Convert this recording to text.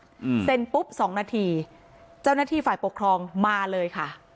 อืมเซ็นปุ๊บสองนาทีเจ้าหน้าที่ฝ่ายปกครองมาเลยค่ะ